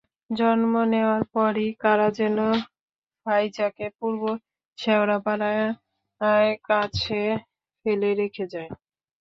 জন্ম নেওয়ার পরই কারা যেন ফাইজাকে পূর্ব শেওড়াপাড়ায় কাছে ফেলে রেখে যায়।